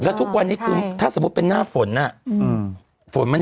แล้วทุกวันนี้คือถ้าสมมุติเป็นหน้าฝนมัน